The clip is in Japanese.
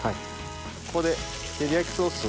ここで照り焼きソースを。